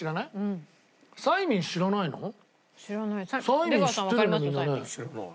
サイミン知ってるよね？